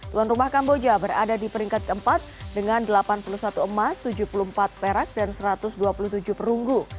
tuan rumah kamboja berada di peringkat keempat dengan delapan puluh satu emas tujuh puluh empat perak dan satu ratus dua puluh tujuh perunggu